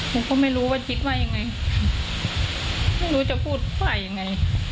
ผมก็ไม่รู้ว่าคิดไว้ยังไงไม่รู้จะพูดไฟยังไง